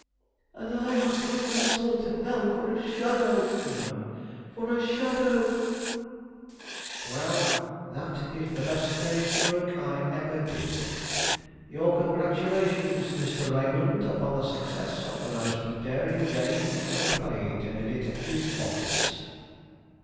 "And I have given my soul to hell for a shadow!" he moaned, "for a shadow!" "Well, that is the best day's work I ever did! Your congratulations, Mr. Raymond, upon the success of the most daring game ever played in a detective's office."